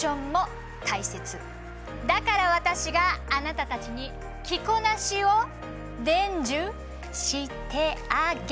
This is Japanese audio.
だから私があなたたちに着こなしを伝授してあげる。